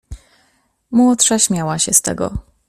"Młodsza śmiała się z tego."